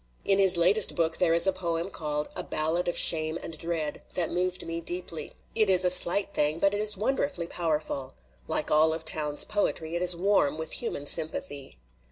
In I his latest book there is a poem called 'A Ballad of Shame and Dread' that moved me deeply. It is a slight thing, but it is wonderfully powerful. Like all of Towne's poetry, it is warm with human sympathy."